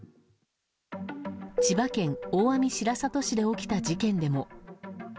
千葉県大網白里市で起きた事件でも。